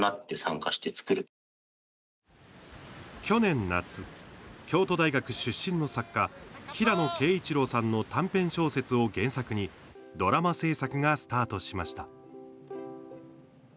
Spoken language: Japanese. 去年夏、京都大学出身の作家平野啓一郎さんの短編小説を原作にドラマ制作がスタートしました。